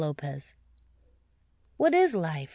LIFE "What is life?"